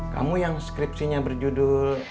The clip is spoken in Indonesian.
kamu yang skripsinya berjudul